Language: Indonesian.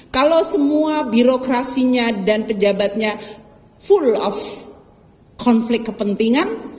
kalau semua birokrasinya dan pejabatnya full of konflik kepentingan